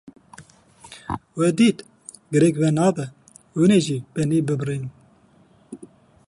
We dît girêk venabe, hûn jî benî bibirin.